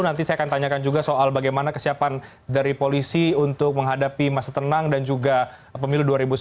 nanti saya akan tanyakan juga soal bagaimana kesiapan dari polisi untuk menghadapi masa tenang dan juga pemilu dua ribu sembilan belas